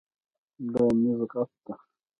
دا میز غټ ده